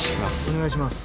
お願いします。